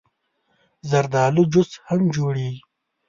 زردالو جوس هم جوړېږي.